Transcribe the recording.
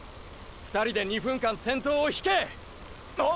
２人で２分間先頭を引け！な！